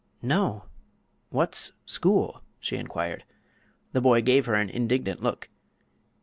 "No; what's school?" she inquired. The boy gave her an indignant look.